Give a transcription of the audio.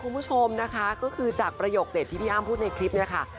คุณผู้ชมนะคะก็คือจากประโยคเด็ดที่พี่อ้ำพูดในคลิปเนี่ยค่ะ